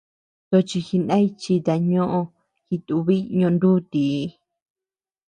Tochi jinay chita ñóʼoo jitúbiy ñonútii.